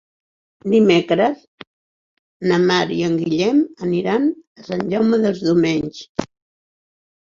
Dimecres na Mar i en Guillem aniran a Sant Jaume dels Domenys.